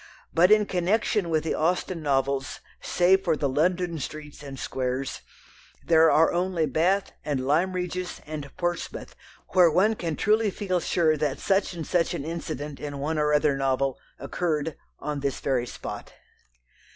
But in connection with the Austen novels, save for the London streets and squares, there are only Bath and Lyme Regis and Portsmouth where one can truly feel sure that such or such an incident in one or other novel "occurred" on this very spot.